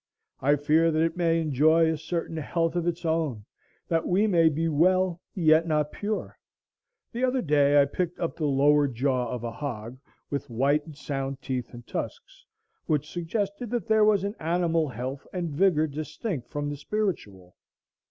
I fear that it may enjoy a certain health of its own; that we may be well, yet not pure. The other day I picked up the lower jaw of a hog, with white and sound teeth and tusks, which suggested that there was an animal health and vigor distinct from the spiritual.